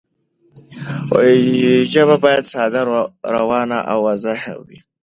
ژبه باید ساده، روانه او واضح وي.